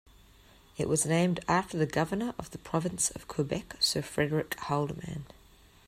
It was named after the governor of the Province of Quebec Sir Frederick Haldimand.